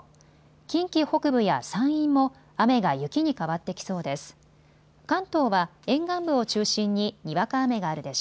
近畿北部や山陰も雨が雪に変わってきそうです。